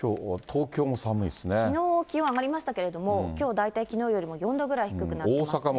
きのう気温上がりましたけれども、きょう大体きのうよりも４度ぐらい低くなっていますね。